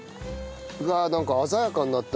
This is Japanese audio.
うわなんか鮮やかになった色が。